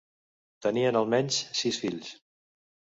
Tenien almenys sis fills.